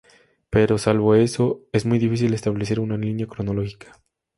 Pero salvo eso, es muy difícil establecer una línea cronológica.